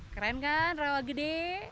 keren kan rawagede